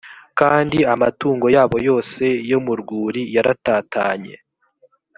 kandi amatungo yabo yose yo mu rwuri yaratatanye